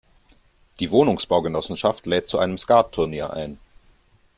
Die Wohnungsbaugenossenschaft lädt zu einem Skattunier ein.